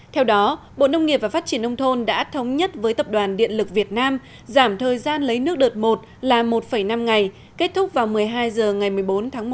theo đó bộ nông nghiệp và phát triển nông thôn đã thống nhất với tập đoàn điện lực việt nam giảm thời gian lấy nước đợt một là một năm ngày kết thúc vào một mươi hai h ngày một mươi bốn tháng một